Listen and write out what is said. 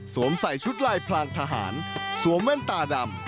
ใส่ชุดลายพลางทหารสวมแว่นตาดำ